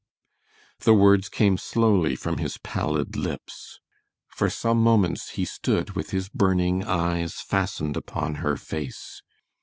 The words came slowly from his pallid lips. For some moments he stood with his burning eyes fastened upon her face.